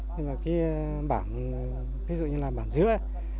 nhưng mà cái bản ví dụ như là bản giữa